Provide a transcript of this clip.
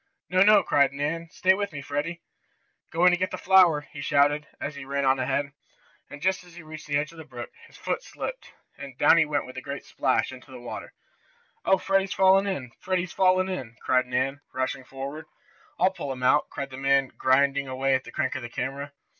"No, no!" cried Nan. "Stay with me, Freddie." "Going to get the flower!" he shouted, as he ran on ahead. And, just as he reached the edge of the brook, his foot slipped, and down he went with a great splash, into the water. "Oh, Freddie's fallen in! Freddie's fallen in!" cried Nan, rushing forward. "I'll pull him out!" cried the man grinding away at the crank of the camera.